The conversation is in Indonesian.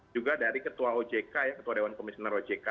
juga dari ketua ojk ya ketua dewan komisioner ojk